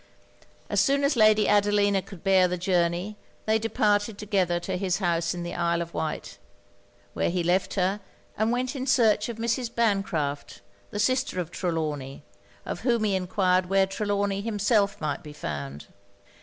As soon as Lady Adelina could bear the journey, they departed together to his house in the Isle of Wight; where he left her, and went in search of Mrs. Bancraft, the sister of Trelawny, of whom he enquired where Trelawny himself might be found.